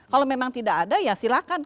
kalau memang tidak ada ya silahkan